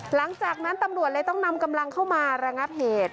หลังจากนั้นตำรวจเลยต้องนำกำลังเข้ามาระงับเหตุ